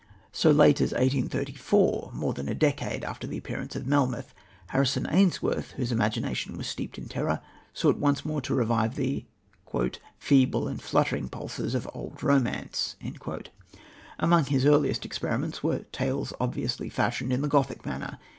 So late as 1834 more than a decade after the appearance of Melmoth Harrison Ainsworth, whose imagination was steeped in terror, sought once more to revive the "feeble and fluttering pulses of old Romance." Among his earliest experiments were tales obviously fashioned in the Gothic manner.